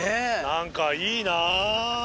何かいいな。